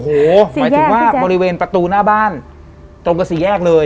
หมายถึงว่าบริเวณประตูหน้าบ้านตรงกับสี่แยกเลย